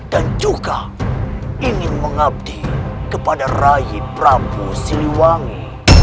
dan juga ingin mengabdi kepada raih prabu siliwangi